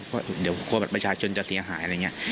เพราะเดี๋ยวกลัวบัตรประชาชนจะเสียหายอะไรอย่างนี้